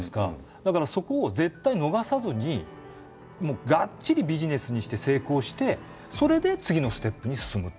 だからそこを絶対逃さずにがっちりビジネスにして成功してそれで次のステップに進む。